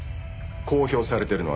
公表されているのはな。